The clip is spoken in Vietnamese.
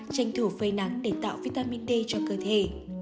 ba tranh thủ phơi nắng để tạo vitamin d cho cơ thể